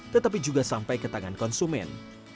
tetapi juga sampai ke tangan konsumen